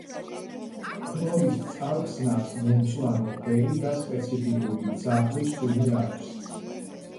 ქლორის წყალხსნარს მომწვანო ფერი და სპეციფიკური მძაფრი სუნი აქვს.